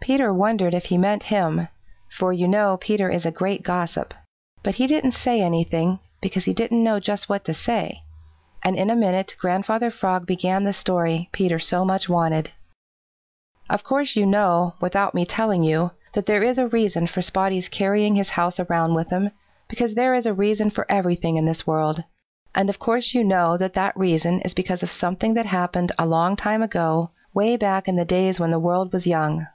Peter wondered if he meant him, for you know Peter is a great gossip. But he didn't say anything, because he didn't know just what to say, and in a minute Grandfather Frog began the story Peter so much wanted. "Of course you know, without me telling you, that there is a reason for Spotty's carrying his house around with him, because there is a reason for everything in this world. And of course you know that that reason is because of something that happened a long time ago, way back in the days when the world was young.